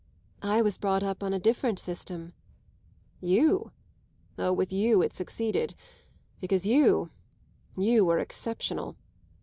"I was brought up on a different system." "You? Oh, with you it succeeded, because you you were exceptional."